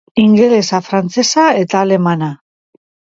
Ingelesa, Frantsesa eta Alemana.